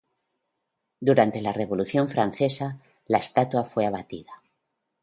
Durante la Revolución francesa la estatua fue abatida.